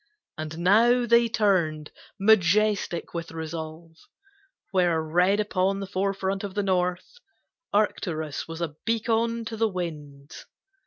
And now they turned, majestic with resolve, Where, red upon the forefront of the north, Arcturus was a beacon to the winds.